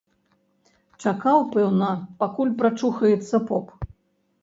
Чакаў, пэўна, пакуль прачухаецца поп.